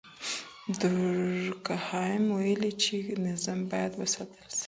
دورکهايم ويلي چي نظم بايد وساتل سي.